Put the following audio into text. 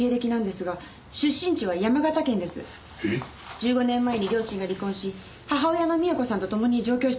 １５年前に両親が離婚し母親の美代子さんと共に上京しています。